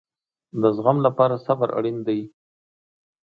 د زغم لپاره صبر اړین دی